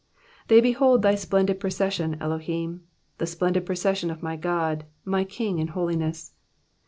25 They behold Thy splendid procession, Elohim, • The splendid procession of my God, my King in holiness.